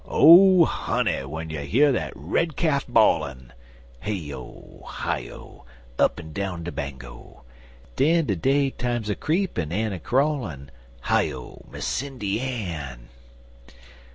Oh, honey! w'en you year dat red calf a bawlin' (Hey O! Hi O! Up'n down de Bango!) Den de day time's a creepin' en a crawlin' (Hi O, Miss Sindy Ann!)